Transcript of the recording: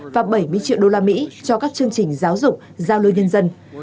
và bảy mươi triệu đô la mỹ cho các chương trình giáo dục giao lưu nhân dân